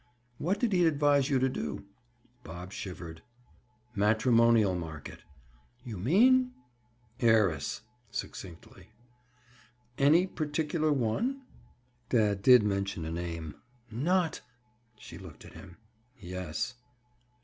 "What did he advise you to do?" Bob shivered. "Matrimonial market." "You mean—?" "Heiress." Succinctly. "Any particular one?" "Dad did mention a name." "Not—?" She looked at him. "Yes."